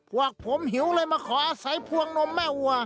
พวกผมหิวเลยมาขออาศัยพวงนมแม่วัว